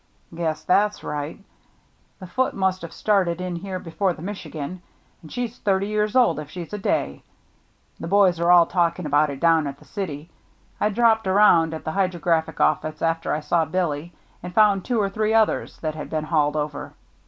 " Guess that's right. The Foote must have started in here before the Michigan^ and she's thirty years old if shef^s a day. The boys are all talking about it down at the city. I dropped around at the Hydrographic Office after I saw Billy, and found two or three others that had been hauled over.